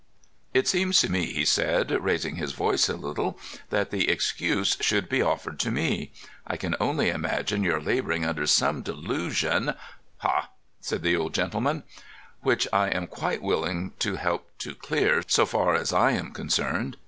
"It seems to me," he said, raising his voice a little, "that the excuse should be offered to me. I can only imagine you're labouring under some delusion——" "Ha!" said the old gentleman. "Which I am quite willing to help to clear, so far as I am concerned.